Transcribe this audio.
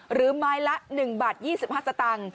หรือไม้ละ๑บาท๒๕สตางค์